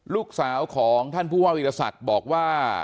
ลูกสาวของท่านผู้ว่าวิทยาศักดิ์บอกว่า